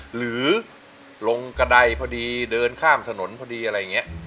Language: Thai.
หรือลงกระดายพอดีเดินข้ามถนนพอดีอะไรอย่างนี้